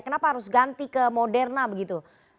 kenapa harus ganti ke moderna begitu